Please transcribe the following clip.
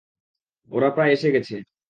ওরা প্রায় এসে গেছে।